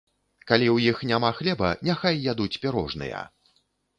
Калі ў іх няма хлеба, няхай ядуць пірожныя!